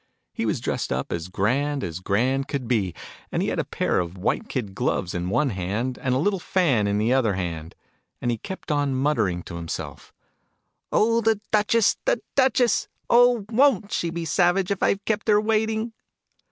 He was dressed up as grand as grand could be, and he had a pair of white kid gloves in one hand, and a little fan in the other hand : and he kept on muttering to himself " Oh, the Duchess, the Duchess! Oh, won't she be savage if I've kept her waiting